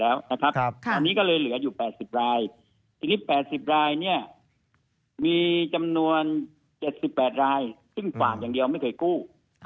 ตอนนี้ก็เลยเหลืออยู่๘๐รายทีนี้๘๐รายเนี่ยมีจำนวน๗๘รายซึ่งฝากอย่างเดียวไม่เคยกู้